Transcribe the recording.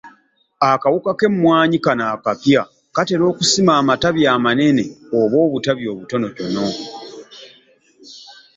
Akawuka k'emmwanyi kano akapya katera okusima amatabi amanene oba obutabi obutonotono.